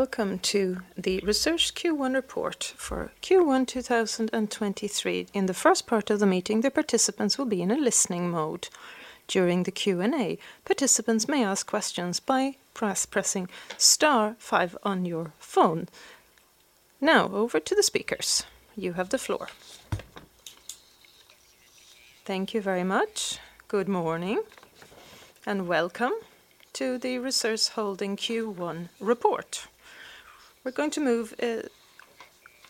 Welcome to the Resurs Q1 Report for Q1 2023. In the first part of the meeting, the participants will be in a listening mode. During the Q&A, participants may ask questions by pressing star five on your phone. Now over to the speakers. You have the floor. Thank you very much. Good morning, and welcome to the Resurs Holding Q1 Report. We're going to move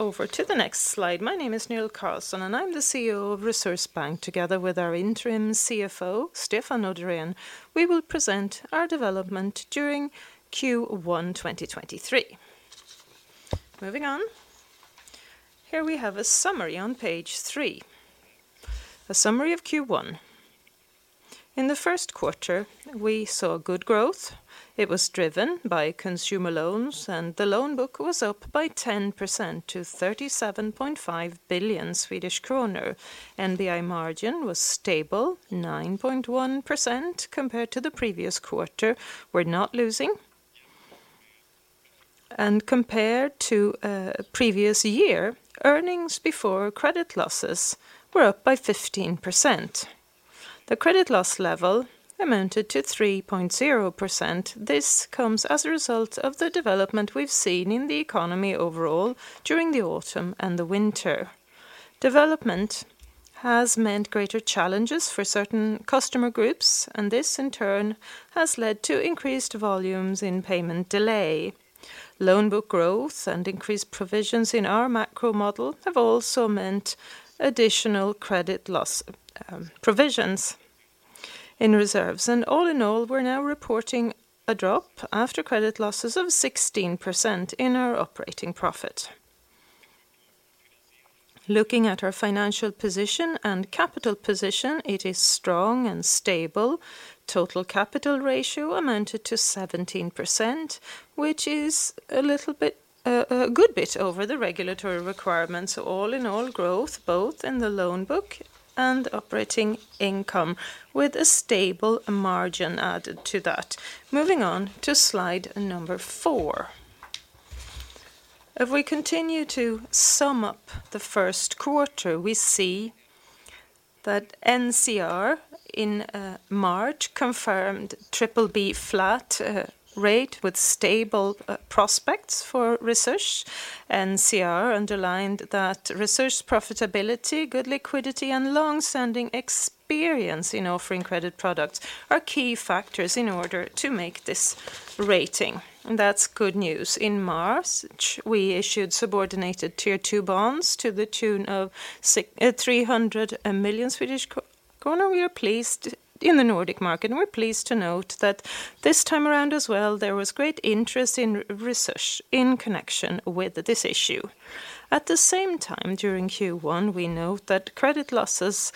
over to the next slide. My name is Nils Carlsson, and I'm the CEO of Resurs Bank, together with our interim CFO, Stefan Noderén, we will present our development during Q1 2023. Moving on. Here we have a summary on page three, a summary of Q1. In the first quarter, we saw good growth. It was driven by consumer loans. The loan book was up by 10% to 37.5 billion Swedish kronor. NBI margin was stable, 9.1% compared to the previous quarter. We're not losing. Compared to previous year, earnings before credit losses were up by 15%. The credit loss level amounted to 3.0%. This comes as a result of the development we've seen in the economy overall during the autumn and the winter. Development has meant greater challenges for certain customer groups, this in turn has led to increased volumes in payment delay. Loan book growth and increased provisions in our macro model have also meant additional credit loss provisions in reserves. All in all, we're now reporting a drop after credit losses of 16% in our operating profit. Looking at our financial position and capital position, it is strong and stable. Total capital ratio amounted to 17%, which is a good bit over the regulatory requirements. All in all growth, both in the loan book and operating income, with a stable margin added to that. Moving on to slide number four. If we continue to sum up the first quarter, we see that NCR in March confirmed BBB flat rating with stable prospects for Resurs. NCR underlined that Resurs profitability, good liquidity, and long-standing experience in offering credit products are key factors in order to make this rating, and that's good news. In March, we issued subordinated Tier 2 bonds to the tune of 300 million Swedish kronor. We are pleased in the Nordic market, and we're pleased to note that this time around as well, there was great interest in Resurs in connection with this issue. During Q1, we note that credit losses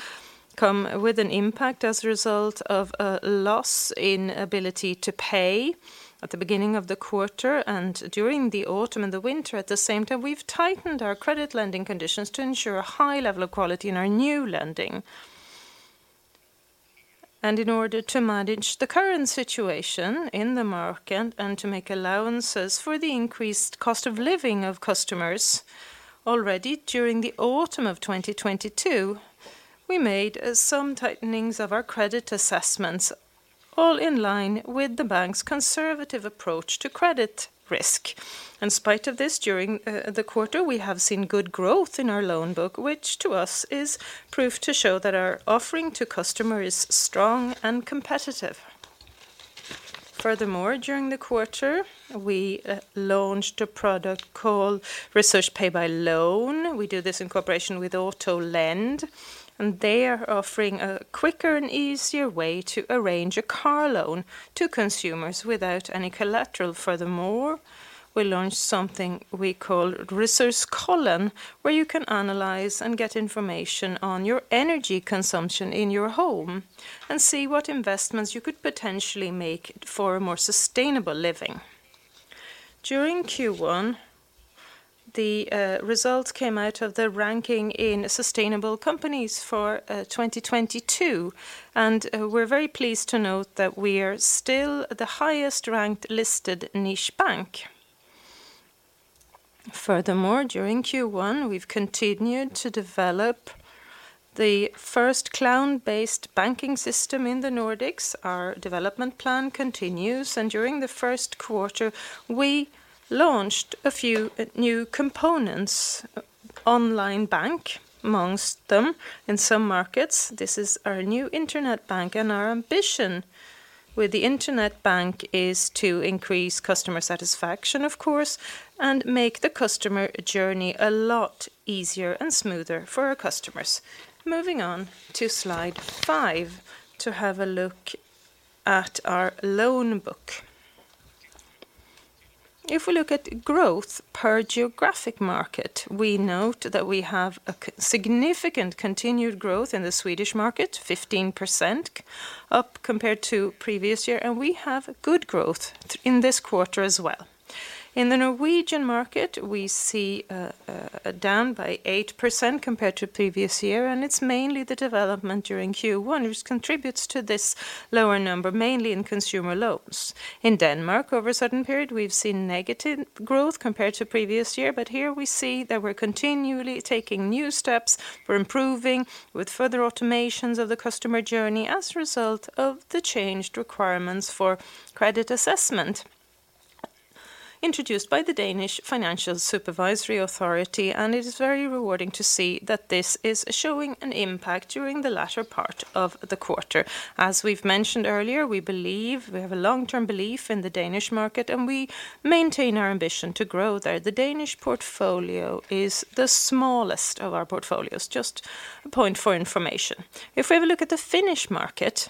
come with an impact as a result of a loss in ability to pay at the beginning of the quarter and during the autumn and the winter. We've tightened our credit lending conditions to ensure a high level of quality in our new lending. In order to manage the current situation in the market and to make allowances for the increased cost of living of customers already during the autumn of 2022, we made some tightenings of our credit assessments all in line with the bank's conservative approach to credit risk. In spite of this, during the quarter, we have seen good growth in our loan book, which to us is proof to show that our offering to customer is strong and competitive. During the quarter, we launched a product called Resurs Pay by Loan. We do this in cooperation with Autolend, they are offering a quicker and easier way to arrange a car loan to consumers without any collateral. We launched something we call Resurskollen, where you can analyze and get information on your energy consumption in your home and see what investments you could potentially make for a more sustainable living. During Q1, the results came out of the ranking in Sustainable Companies for 2022, we're very pleased to note that we are still the highest-ranked listed niche bank. During Q1, we've continued to develop the first cloud-based banking system in the Nordics. Our development plan continues, during the first quarter, we launched a few new components, online bank amongst them in some markets. This is our new internet bank. Our ambition with the internet bank is to increase customer satisfaction, of course, and make the customer journey a lot easier and smoother for our customers. Moving on to slide five to have a look at our loan book. If we look at growth per geographic market, we note that we have a significant continued growth in the Swedish market, 15% up compared to previous year, we have good growth in this quarter as well. In the Norwegian market, we see a down by 8% compared to previous year, it's mainly the development during Q1 which contributes to this lower number, mainly in consumer loans. In Denmark, over a certain period, we've seen negative growth compared to previous year, but here we see that we're continually taking new steps for improving with further automations of the customer journey as a result of the changed requirements for credit assessment introduced by the Danish Financial Supervisory Authority, and it is very rewarding to see that this is showing an impact during the latter part of the quarter. As we've mentioned earlier, we have a long-term belief in the Danish market, and we maintain our ambition to grow there. The Danish portfolio is the smallest of our portfolios, just a point for information. If we have a look at the Finnish market,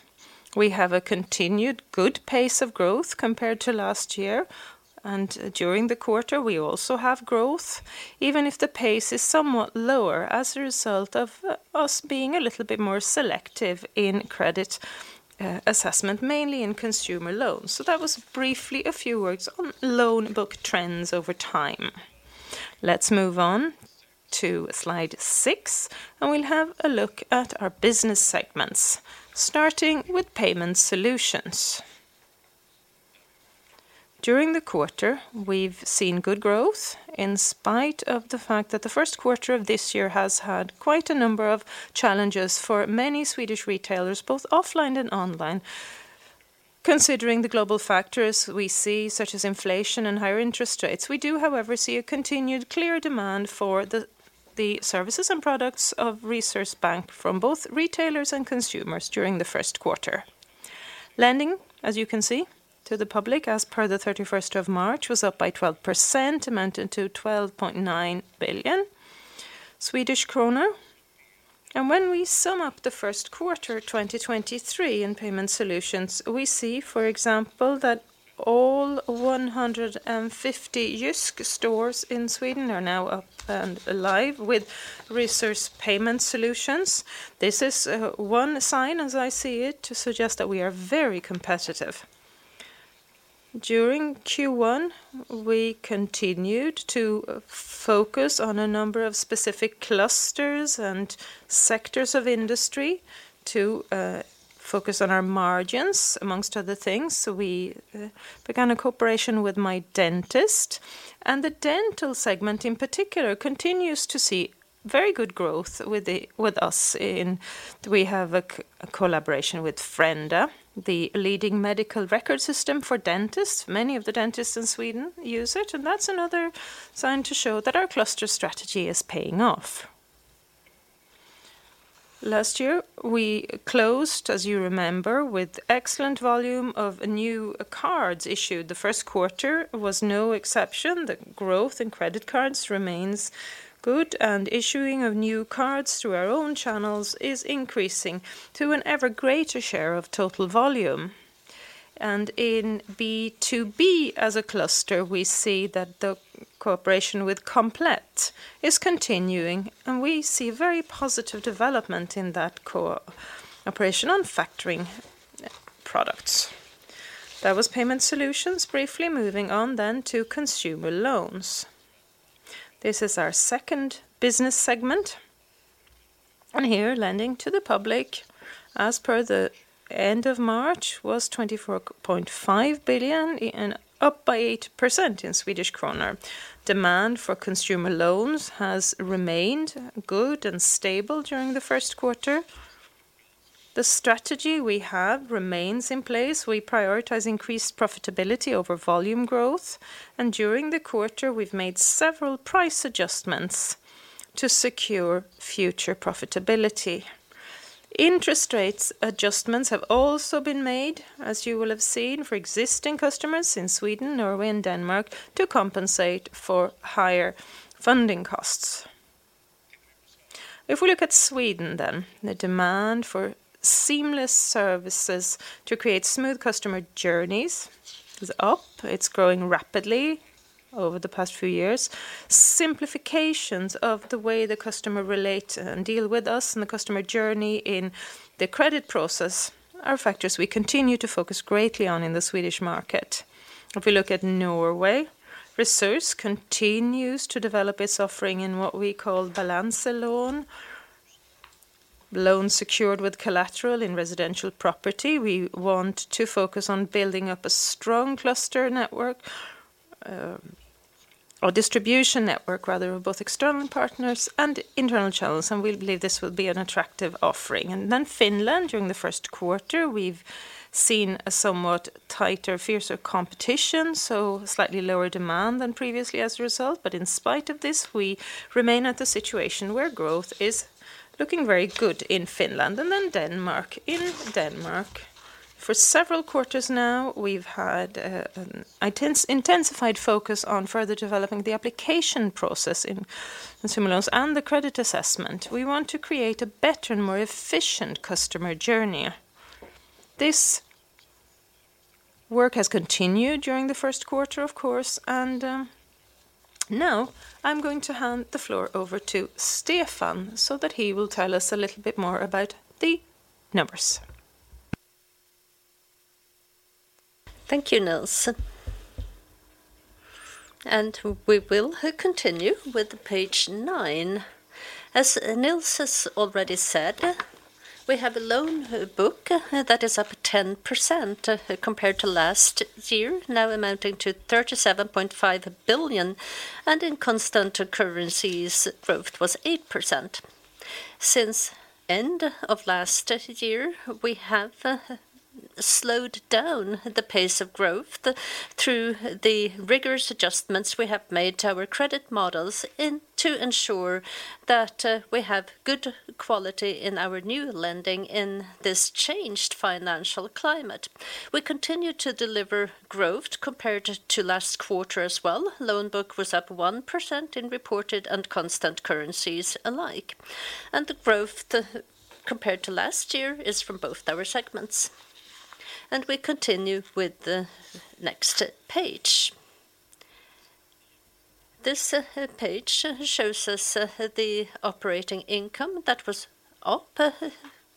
we have a continued good pace of growth compared to last year. During the quarter, we also have growth, even if the pace is somewhat lower as a result of us being a little bit more selective in credit assessment, mainly in consumer loans. That was briefly a few words on loan book trends over time. Let's move on to slide six. We'll have a look at our business segments, starting with Payment Solutions. During the quarter, we've seen good growth in spite of the fact that the first quarter of this year has had quite a number of challenges for many Swedish retailers, both offline and online. Considering the global factors we see, such as inflation and higher interest rates, we do, however, see a continued clear demand for the services and products of Resurs Bank from both retailers and consumers during the first quarter. Lending, as you can see, to the public as per the 31st of March was up by 12%, amounted to 12.9 billion Swedish kronor. When we sum up the first quarter 2023 in payment solutions, we see, for example, that all 150 JYSK stores in Sweden are now up and alive with Resurs payment solutions. This is one sign, as I see it, to suggest that we are very competitive. During Q1, we continued to focus on a number of specific clusters and sectors of industry to focus on our margins amongst other things. We began a cooperation with MyDentist, and the dental segment in particular continues to see very good growth with us in. We have a collaboration with Frenda, the leading medical record system for dentists. Many of the dentists in Sweden use it, and that's another sign to show that our cluster strategy is paying off. Last year, we closed, as you remember, with excellent volume of new cards issued. The first quarter was no exception. The growth in credit cards remains good, and issuing of new cards through our own channels is increasing to an ever greater share of total volume. In B2B as a cluster, we see that the cooperation with Komplett is continuing, and we see very positive development in that cooperation on factoring products. That was Payment Solutions. Briefly moving on then to consumer loans. This is our second business segment. Here lending to the public as per the end of March was 24.5 billion and up by 8% in Swedish krona. Demand for consumer loans has remained good and stable during the first quarter. The strategy we have remains in place. We prioritize increased profitability over volume growth. During the quarter, we've made several price adjustments to secure future profitability. Interest rates adjustments have also been made, as you will have seen, for existing customers in Sweden, Norway, and Denmark to compensate for higher funding costs. If we look at Sweden then, the demand for seamless services to create smooth customer journeys is up. It's growing rapidly over the past few years. Simplifications of the way the customer relate and deal with us and the customer journey in the credit process are factors we continue to focus greatly on in the Swedish market. If we look at Norway, Resurs continues to develop its offering in what we call Balanselån, loans secured with collateral in residential property. We want to focus on building up a strong cluster network, or distribution network rather of both external partners and internal channels, and we believe this will be an attractive offering. Finland, during the first quarter, we've seen a somewhat tighter, fiercer competition, so slightly lower demand than previously as a result. In spite of this, we remain at the situation where growth is looking very good in Finland. Denmark. In Denmark, for several quarters now, we've had an intensified focus on further developing the application process in consumer loans and the credit assessment. We want to create a better and more efficient customer journey. This work has continued during the first quarter, of course. Now I'm going to hand the floor over to Stefan so that he will tell us a little bit more about the numbers. Thank you, Nils. We will continue with page nine. As Nils has already said, we have a loan book that is up 10% compared to last year, now amounting to 37.5 billion. In constant currencies growth was 8%. Since end of last year, we have slowed down the pace of growth through the rigorous adjustments we have made to our credit models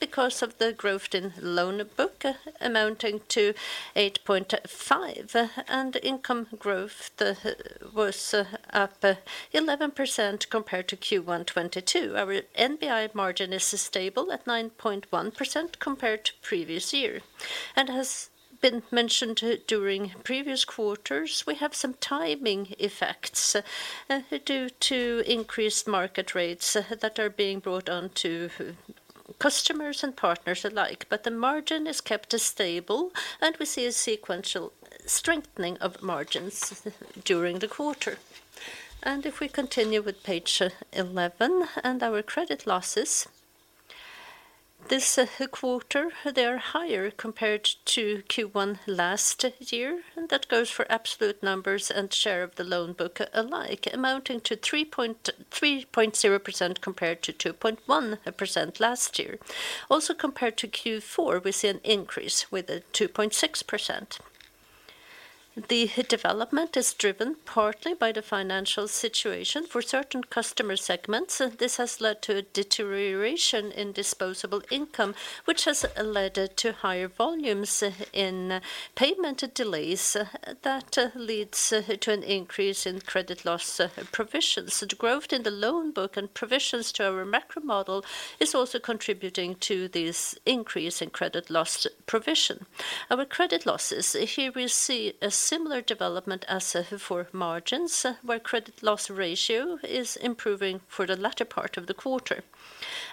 because of the growth in loan book amounting to 8.5, Income growth was up 11% compared to Q1 2022. Our NBI margin is stable at 9.1% compared to previous year. Has been mentioned during previous quarters, we have some timing effects due to increased market rates that are being brought on to customers and partners alike, The margin is kept stable, We see a sequential strengthening of margins during the quarter. If we continue with page 11 and our credit losses. This quarter, they are higher compared to Q1 last year, That goes for absolute numbers and share of the loan book alike, amounting to 3.0% compared to 2.1% last year. Compared to Q4, we see an increase with 2.6%. The development is driven partly by the financial situation for certain customer segments. This has led to a deterioration in disposable income, which has led to higher volumes in payment delays that leads to an increase in credit loss provisions. The growth in the loan book and provisions to our macro model is also contributing to this increase in credit loss provision. Our credit losses, here we see a similar development as for margins, where credit loss ratio is improving for the latter part of the quarter.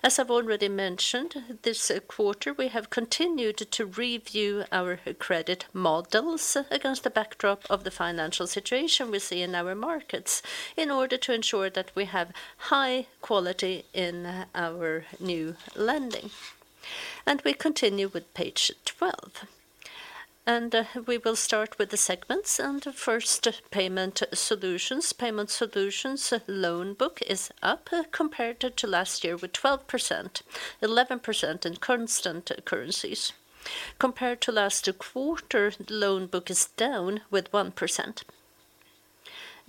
As I've already mentioned, this quarter we have continued to review our credit models against the backdrop of the financial situation we see in our markets in order to ensure that we have high quality in our new lending. We continue with page 12. We will start with the segments and first Payment Solutions. Payment Solutions loan book is up compared to last year with 12%, 11% in constant currencies. Compared to last quarter, loan book is down with 1%.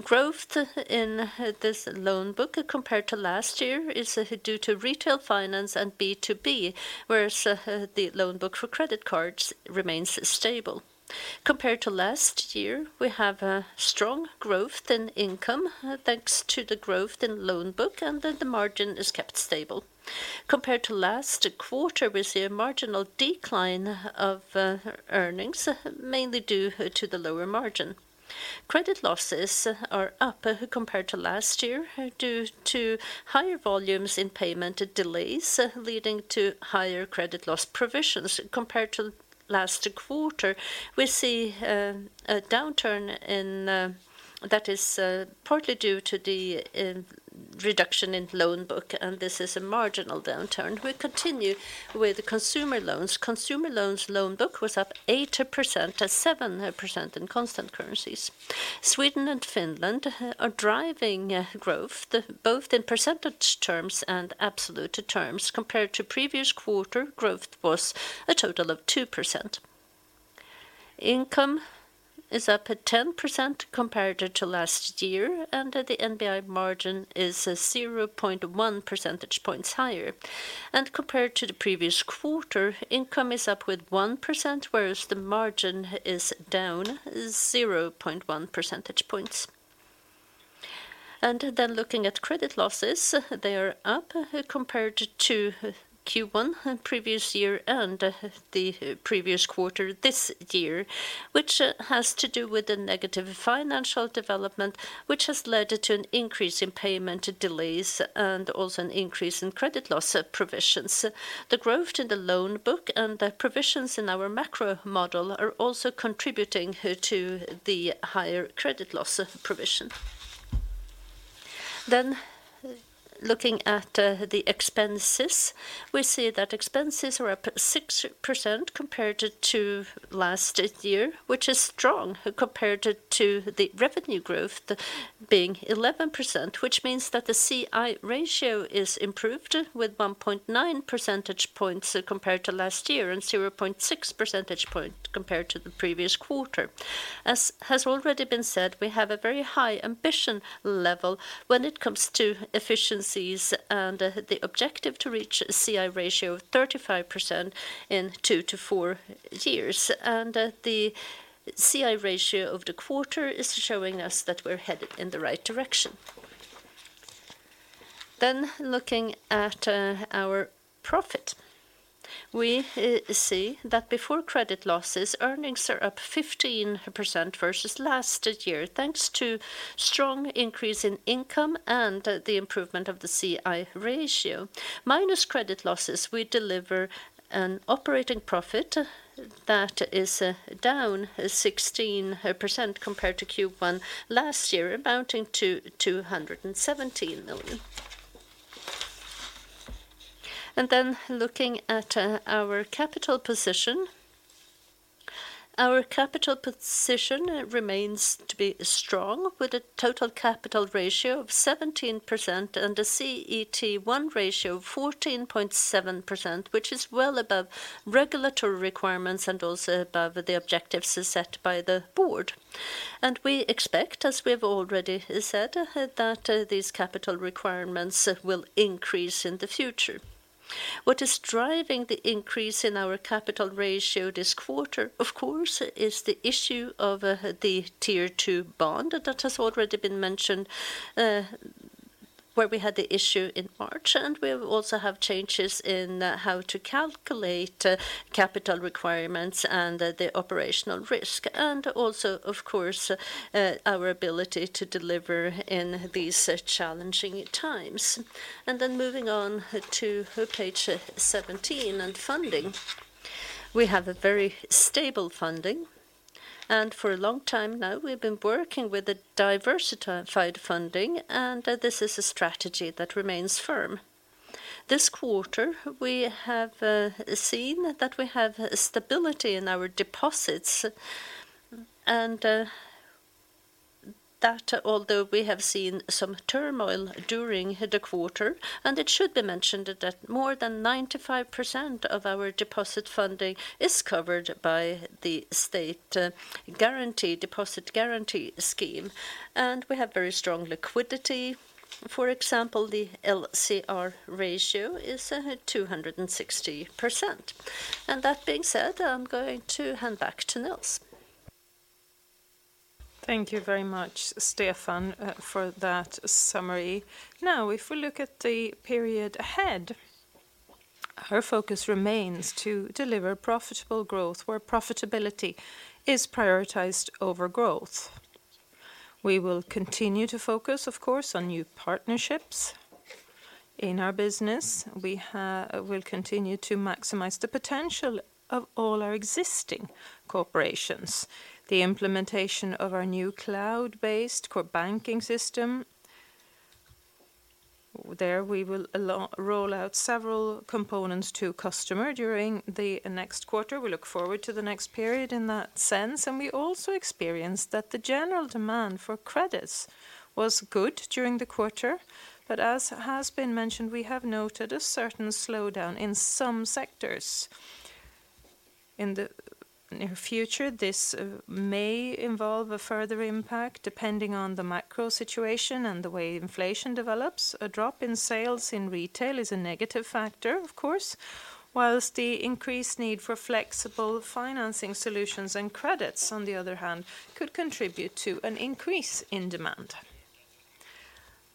Growth in this loan book compared to last year is due to retail finance and B2B, whereas the loan book for credit cards remains stable. Compared to last year, we have a strong growth in income, thanks to the growth in loan book, and the margin is kept stable. Compared to last quarter, we see a marginal decline of earnings, mainly due to the lower margin. Credit losses are up compared to last year due to higher volumes in payment delays, leading to higher credit loss provisions. Compared to last quarter, we see a downturn in that is partly due to the reduction in loan book, and this is a marginal downturn. We continue with consumer loans. Consumer loans loan book was up 8% at 7% in constant currencies. Sweden and Finland are driving growth both in percentage terms and absolute terms. Compared to previous quarter, growth was a total of 2%. Income is up at 10% compared to last year, and the NBI margin is 0.1 percentage points higher. Compared to the previous quarter, income is up with 1%, whereas the margin is down 0.1 percentage points. Looking at credit losses, they are up compared to Q1 previous year and the previous quarter this year, which has to do with the negative financial development, which has led to an increase in payment delays and also an increase in credit loss provisions. The growth in the loan book and the provisions in our macro model are also contributing to the higher credit loss provision. Looking at the expenses, we see that expenses are up 6% compared to last year, which is strong compared to the revenue growth, being 11%, which means that the C/I ratio is improved with 1.9 percentage points compared to last year and 0.6 percentage points compared to the previous quarter. As has already been said, we have a very high ambition level when it comes to efficiencies and the objective to reach a C/I ratio of 35% in two to four years. The C/I ratio of the quarter is showing us that we're headed in the right direction. Looking at our profit, we see that before credit losses, earnings are up 15% versus last year, thanks to strong increase in income and the improvement of the C/I ratio. Minus credit losses, we deliver an operating profit that is down 16% compared to Q1 last year, amounting to 217 million. Looking at our capital position. Our capital position remains to be strong with a total capital ratio of 17% and a CET1 ratio of 14.7%, which is well above regulatory requirements and also above the objectives set by the board. We expect, as we've already said, that these capital requirements will increase in the future. What is driving the increase in our capital ratio this quarter, of course, is the issue of the Tier 2 bond that has already been mentioned, where we had the issue in March. We also have changes in how to calculate capital requirements and the operational risk and also of course, our ability to deliver in these challenging times. Moving on to page 17 and funding. We have a very stable funding. For a long time now we've been working with a diversified funding, and this is a strategy that remains firm. This quarter, we have seen that we have stability in our deposits and that although we have seen some turmoil during the quarter, it should be mentioned that more than 95% of our deposit funding is covered by the state guarantee, deposit guarantee scheme. We have very strong liquidity. For example, the LCR ratio is 260%. That being said, I'm going to hand back to Nils. Thank you very much, Stefan, for that summary. If we look at the period ahead, our focus remains to deliver profitable growth where profitability is prioritized over growth. We will continue to focus, of course, on new partnerships in our business. We will continue to maximize the potential of all our existing corporations. The implementation of our new cloud-based core banking system. There we will roll out several components to customer during the next quarter. We look forward to the next period in that sense, and we also experience that the general demand for credits was good during the quarter. As has been mentioned, we have noted a certain slowdown in some sectors. In the future, this may involve a further impact depending on the macro situation and the way inflation develops. A drop in sales in retail is a negative factor, of course, whilst the increased need for flexible financing solutions and credits, on the other hand, could contribute to an increase in demand.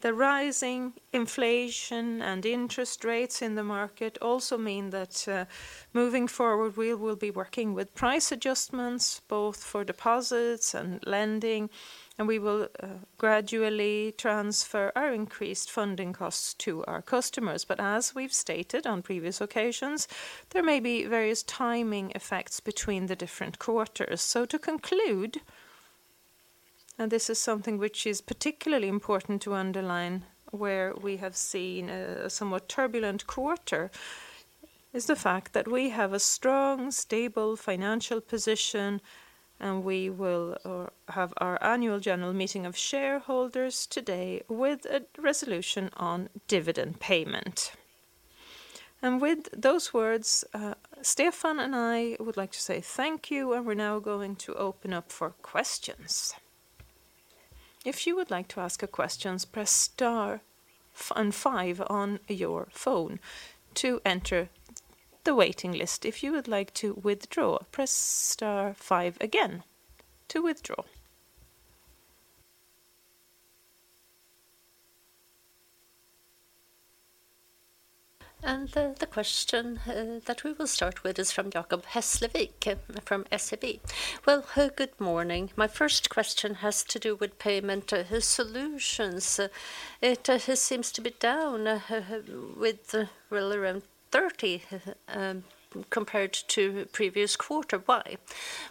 The rising inflation and interest rates in the market also mean that, moving forward, we will be working with price adjustments both for deposits and lending, and we will gradually transfer our increased funding costs to our customers. As we've stated on previous occasions, there may be various timing effects between the different quarters. To conclude, and this is something which is particularly important to underline, where we have seen a somewhat turbulent quarter, is the fact that we have a strong, stable financial position and we will have our annual general meeting of shareholders today with a resolution on dividend payment. With those words, Stefan and I would like to say thank you and we're now going to open up for questions. If you would like to ask a questions, press star 5 on your phone to enter the waiting list. If you would like to withdraw, press star five again to withdraw. The question that we will start with is from Jacob Hesslevik from SEB. Good morning. My first question has to do with Payment Solutions. It seems to be down with well around 30% compared to previous quarter. Why?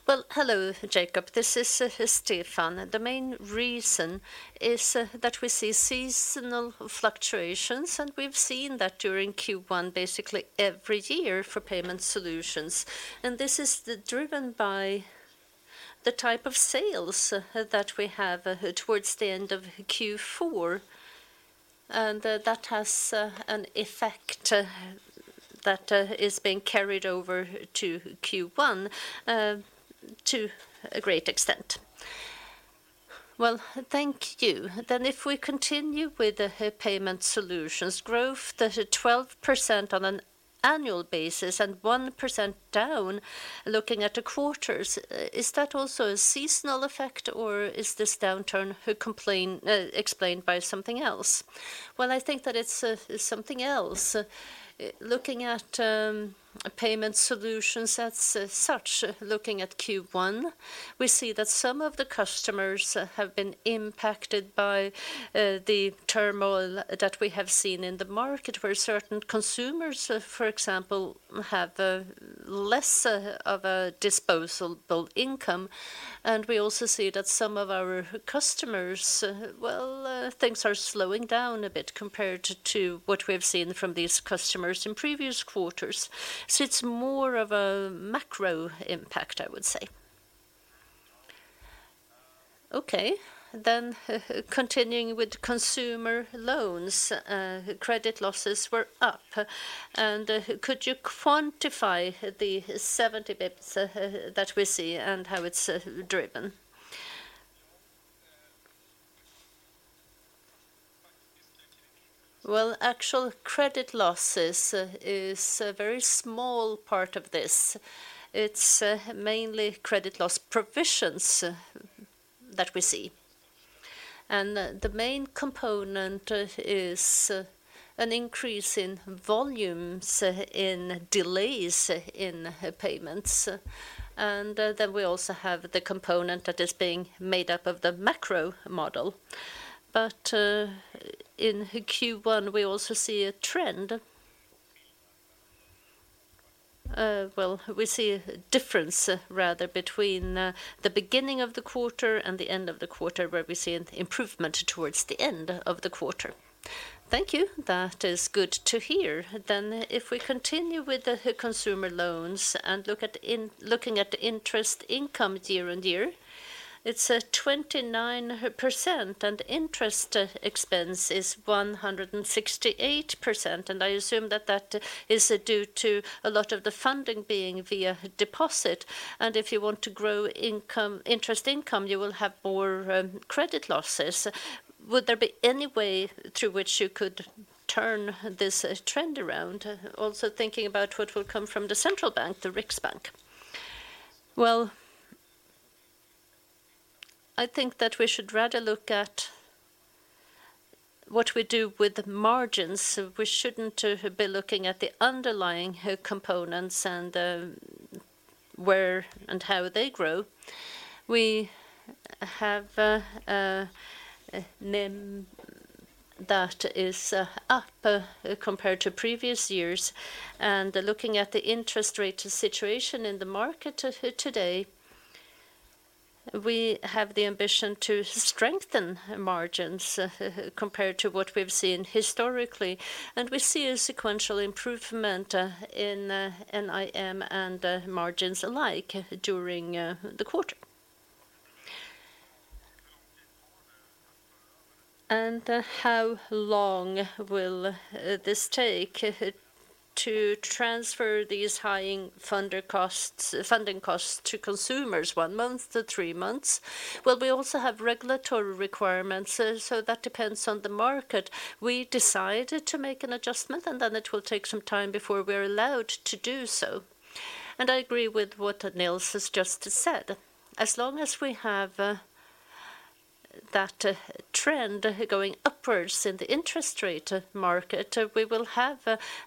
Hello, Jacob. This is Stefan Noderén. The main reason is that we see seasonal fluctuations, and we've seen that during Q1 basically every year for Payment Solutions. This is driven by the type of sales that we have towards the end of Q4, that has an effect that is being carried over to Q1 to a great extent. Thank you. If we continue with the Payment Solutions growth that are 12% on an annual basis and 1% down looking at the quarters, is that also a seasonal effect or is this downturn explained by something else? I think that it's something else. Looking at Payment Solutions as such, looking at Q1, we see that some of the customers have been impacted by the turmoil that we have seen in the market where certain consumers, for example, have less of a disposable income. We also see that some of our customers, well, things are slowing down a bit compared to what we've seen from these customers in previous quarters. It's more of a macro impact, I would say. Okay. Continuing with consumer loans, credit losses were up. Could you quantify the 70 basis points that we see and how it's driven? Well, actual credit losses is a very small part of this. It's mainly credit loss provisions that we see. The main component is an increase in volumes in delays in payments. We also have the component that is being made up of the macro model. In Q1, we also see a trend. Well, we see a difference rather between the beginning of the quarter and the end of the quarter where we see an improvement towards the end of the quarter. Thank you. That is good to hear. If we continue with the consumer loans and looking at the interest income YoY, it's 29%, and interest expense is 168%, and I assume that that is due to a lot of the funding being via deposit. If you want to grow interest income, you will have more credit losses. Would there be any way through which you could turn this trend around? Also thinking about what will come from the central bank, the Riksbank. Well, I think that we should rather look at what we do with the margins. We shouldn't be looking at the underlying components and where and how they grow. We have NIM that is up compared to previous years. Looking at the interest rate situation in the market today, we have the ambition to strengthen margins compared to what we've seen historically. We see a sequential improvement in NIM and margins alike during the quarter. How long will this take to transfer these funding costs to consumers, one month to three months? Well, we also have regulatory requirements, so that depends on the market. We decided to make an adjustment, then it will take some time before we're allowed to do so. I agree with what Nils has just said. As long as we have that trend going upwards in the interest rate market, we will have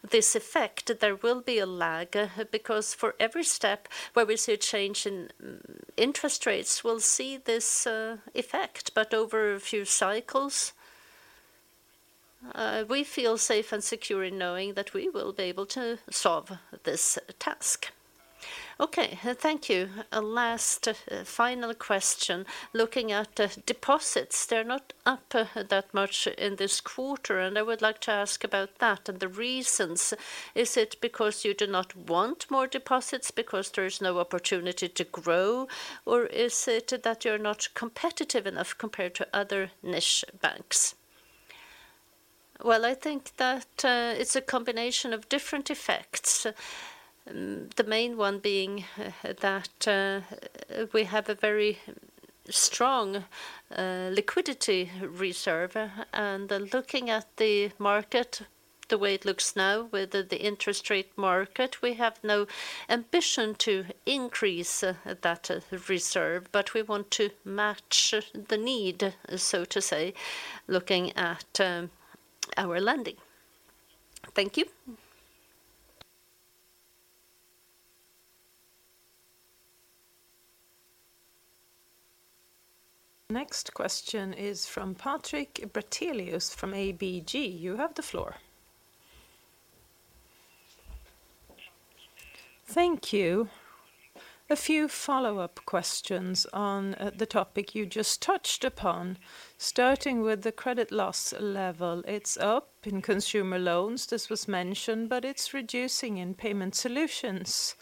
this effect. There will be a lag because for every step where we see a change in interest rates, we'll see this effect. Over a few cycles, we feel safe and secure in knowing that we will be able to solve this task. Okay, thank you. A last final question. Looking at deposits, they're not up that much in this quarter, I would like to ask about that and the reasons. Is it because you do not want more deposits because there is no opportunity to grow, or is it that you're not competitive enough compared to other niche banks? Well, I think that, it's a combination of different effects. The main one being that, we have a very strong liquidity reserve. Looking at the market the way it looks now with the interest rate market, we have no ambition to increase that reserve, but we want to match the need, so to say, looking at, our lending. Thank you. Next question is from Patrik Brattelius from ABG. You have the floor. Thank you. A few follow-up questions on the topic you just touched upon, starting with the credit loss level. It's up in consumer loans, this was mentioned, but it's reducing in Payment Solutions.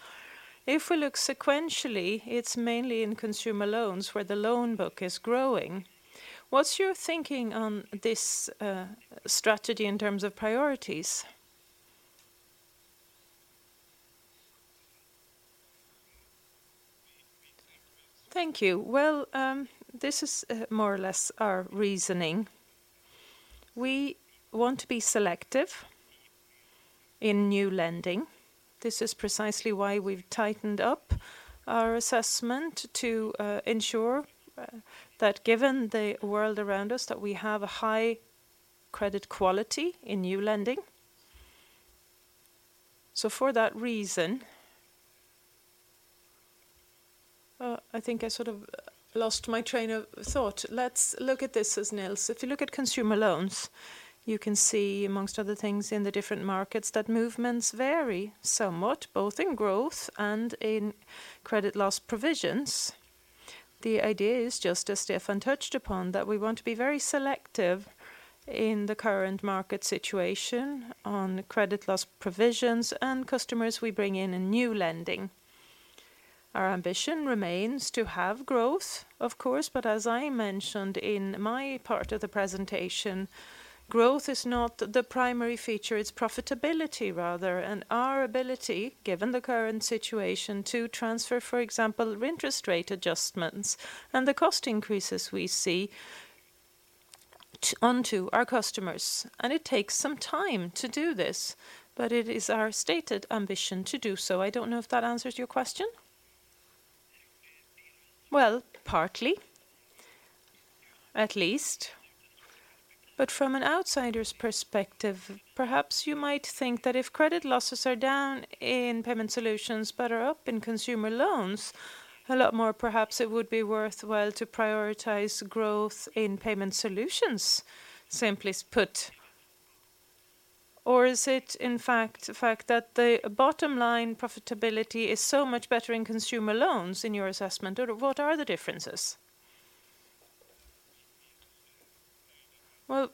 If we look sequentially, it's mainly in consumer loans where the loan book is growing. What's your thinking on this strategy in terms of priorities? Thank you. Well, this is more or less our reasoning. We want to be selective in new lending. This is precisely why we've tightened up our assessment to ensure that given the world around us, that we have a high credit quality in new lending. For that reason, I think I sort of lost my train of thought. Let's look at this as Nils. If you look at consumer loans, you can see amongst other things in the different markets that movements vary somewhat, both in growth and in credit loss provisions. The idea is just as Stefan touched upon, that we want to be very selective in the current market situation on credit loss provisions and customers we bring in in new lending. Our ambition remains to have growth, of course, but as I mentioned in my part of the presentation, growth is not the primary feature, it's profitability rather, and our ability, given the current situation, to transfer, for example, interest rate adjustments and the cost increases we see onto our customers. It takes some time to do this, but it is our stated ambition to do so. I don't know if that answers your question. Well, partly at least. From an outsider's perspective, perhaps you might think that if credit losses are down in Payment Solutions but are up in consumer loans a lot more, perhaps it would be worthwhile to prioritize growth in Payment Solutions, simply put. Is it in fact the fact that the bottom line profitability is so much better in consumer loans in your assessment? What are the differences?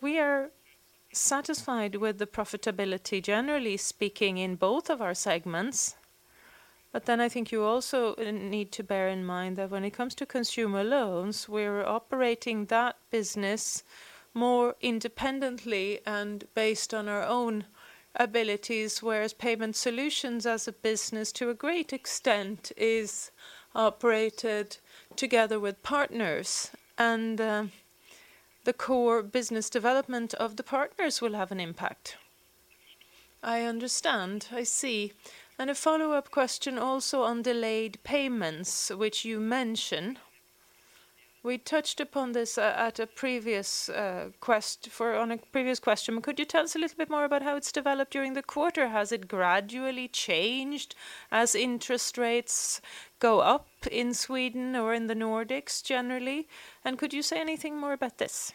We are satisfied with the profitability, generally speaking, in both of our segments. I think you also need to bear in mind that when it comes to consumer loans, we're operating that business more independently and based on our own abilities, whereas Payment Solutions as a business to a great extent is operated together with partners. The core business development of the partners will have an impact. I understand. I see. A follow-up question also on delayed payments, which you mention. We touched upon this at a previous question. Could you tell us a little bit more about how it's developed during the quarter? Has it gradually changed as interest rates go up in Sweden or in the Nordics generally? Could you say anything more about this?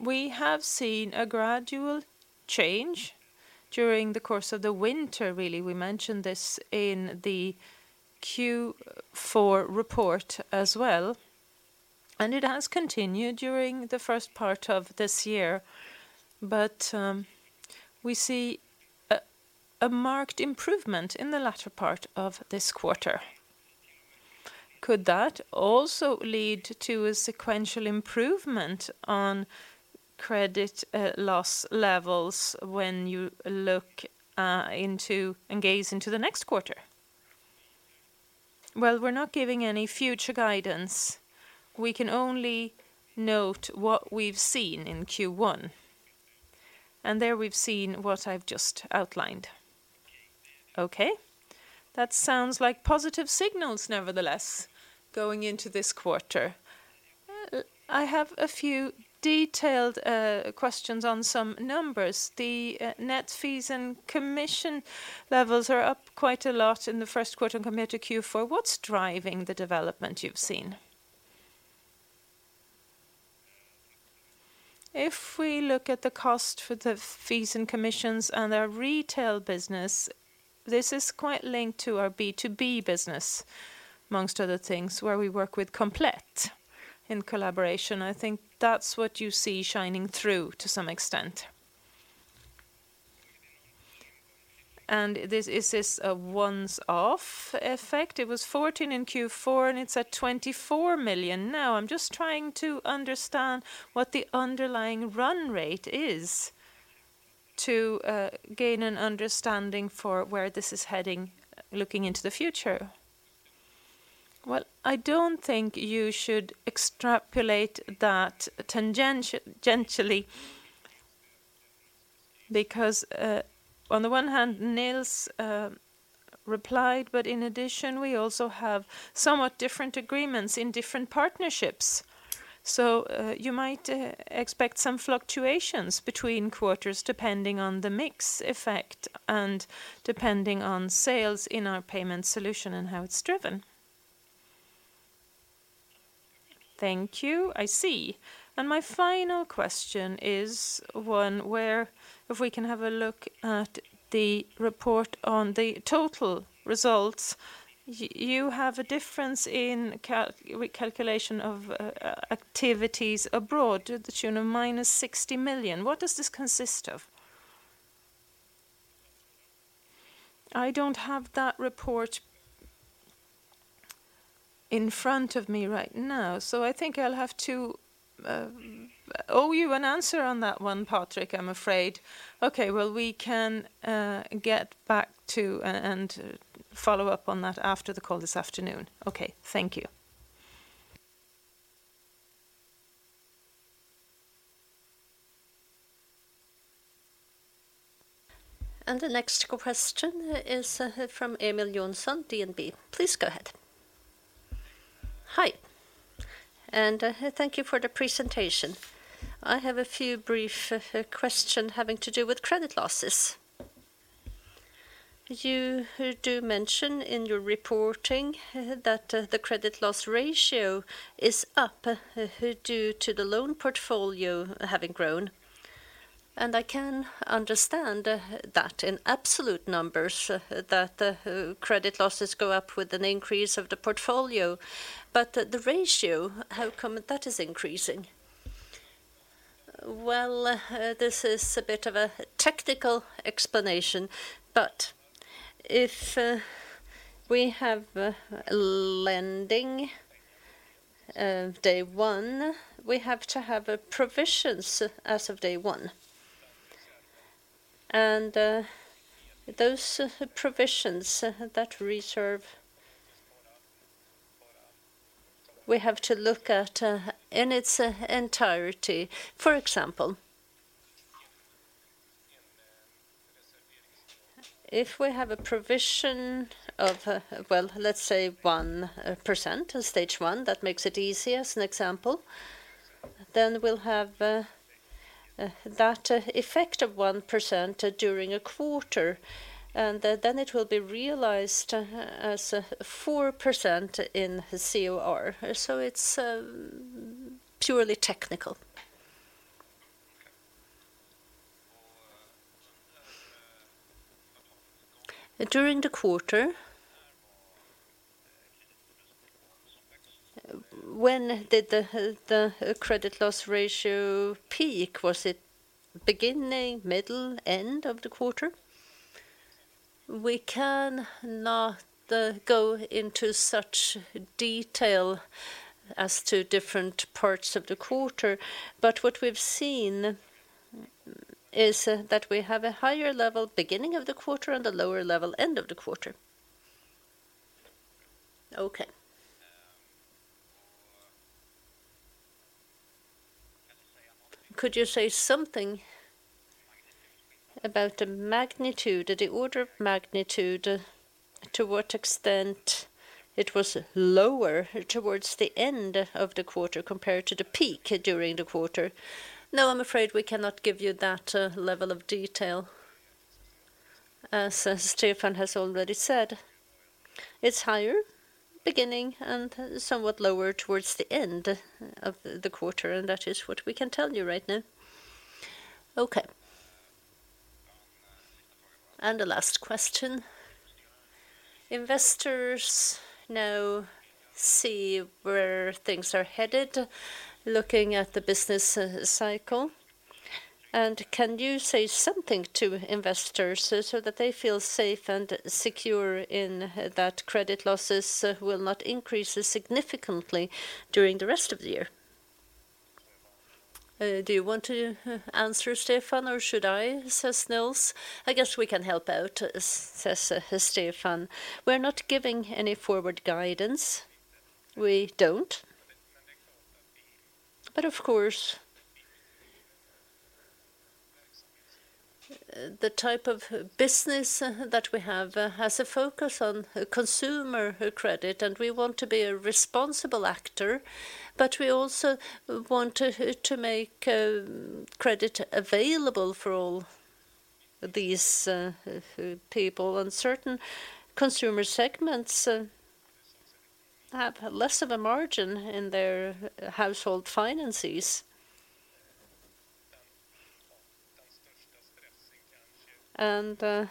We have seen a gradual change during the course of the winter really. We mentioned this in the Q4 report as well, and it has continued during the first part of this year. We see a marked improvement in the latter part of this quarter. Could that also lead to a sequential improvement on credit loss levels when you look and gaze into the next quarter? Well, we're not giving any future guidance. We can only note what we've seen in Q1. There we've seen what I've just outlined. Okay. That sounds like positive signals nevertheless going into this quarter. I have a few detailed questions on some numbers. The net fees and commission levels are up quite a lot in the first quarter compared to Q4. What's driving the development you've seen? If we look at the cost for the fees and commissions and our retail business, this is quite linked to our B2B business, amongst other things, where we work with Komplett in collaboration. I think that's what you see shining through to some extent. Is this a once off effect? It was 14 million in Q4, and it's at 24 million now. I'm just trying to understand what the underlying run rate is to gain an understanding for where this is heading looking into the future. I don't think you should extrapolate that tangentially because on the one hand, Nils replied, but in addition, we also have somewhat different agreements in different partnerships. You might expect some fluctuations between quarters depending on the mix effect and depending on sales in our Payment Solutions and how it's driven. Thank you. I see. My final question is one where if we can have a look at the report on the total results, you have a difference in recalculation of activities abroad to the tune of -60 million. What does this consist of? I don't have that report in front of me right now, so I think I'll have to owe you an answer on that one, Patrik, I'm afraid. Okay. Well, we can get back to and follow up on that after the call this afternoon. Okay. Thank you. The next question is from Emil Jonsson, DNB. Please go ahead. Hi, and thank you for the presentation. I have a few brief question having to do with credit losses. You do mention in your reporting that the credit loss ratio is up due to the loan portfolio having grown. I can understand that in absolute numbers that the credit losses go up with an increase of the portfolio, but the ratio, how come that is increasing? This is a bit of a technical explanation, but if we have lending of day one, we have to have provisions as of day one. Those provisions that reserve, we have to look at in its entirety. For example, if we have a provision of, let's say 1% in Stage 1, that makes it easier as an example, then we'll have that effect of 1% during a quarter, and then it will be realized as 4% in COR. It's purely technical. During the quarter, when did the credit loss ratio peak? Was it beginning, middle, end of the quarter? We can not go into such detail as to different parts of the quarter. What we've seen is that we have a higher level beginning of the quarter and a lower level end of the quarter. Okay. Could you say something about the magnitude, the order of magnitude, to what extent it was lower towards the end of the quarter compared to the peak during the quarter? No, I'm afraid we cannot give you that level of detail. As Stefan has already said, it's higher beginning and somewhat lower towards the end of the quarter, and that is what we can tell you right now. Okay. The last question. Investors now see where things are headed, looking at the business cycle. Can you say something to investors so that they feel safe and secure in that credit losses will not increase significantly during the rest of the year? Do you want to answer, Stefan, or should I? Says Nils. I guess we can help out, says Stefan. We're not giving any forward guidance. We don't. Of course, the type of business that we have has a focus on consumer credit, and we want to be a responsible actor, but we also want to make credit available for all these people. Certain consumer segments have less of a margin in their household finances. Most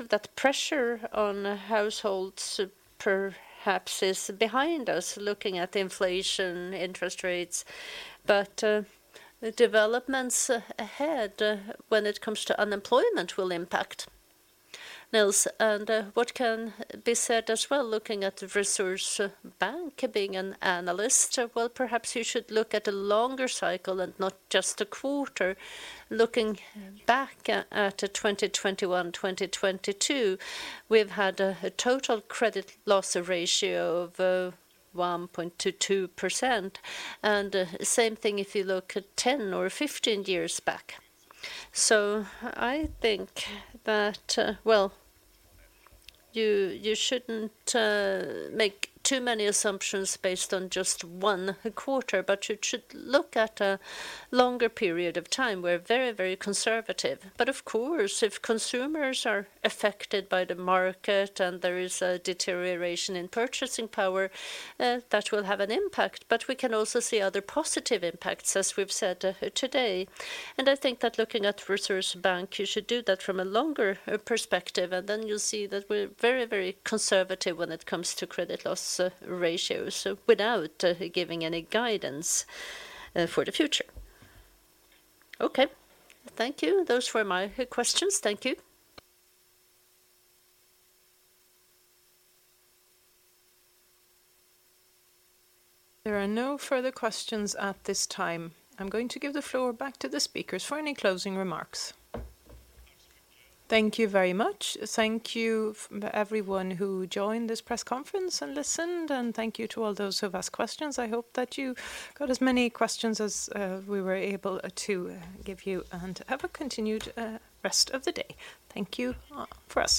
of that pressure on households perhaps is behind us, looking at inflation, interest rates. The developments ahead when it comes to unemployment will impact. Nils, what can be said as well, looking at the Resurs Bank, being an analyst, well, perhaps you should look at a longer cycle and not just a quarter. Looking back at 2021, 2022, we've had a total credit loss ratio of 1.2%. Same thing if you look at 10 or 15 years back. I think that, well, you shouldn't make too many assumptions based on just one quarter, but you should look at a longer period of time. We're very conservative. Of course, if consumers are affected by the market and there is a deterioration in purchasing power, that will have an impact. We can also see other positive impacts, as we've said today. I think that looking at Resurs Bank, you should do that from a longer perspective. Then you'll see that we're very conservative when it comes to credit loss ratios without giving any guidance for the future. Okay. Thank you. Those were my questions. Thank you. There are no further questions at this time. I'm going to give the floor back to the speakers for any closing remarks. Thank you very much. Thank you for everyone who joined this press conference and listened, and thank you to all those who have asked questions. I hope that you got as many questions as we were able to give you and have a continued rest of the day. Thank you for asking.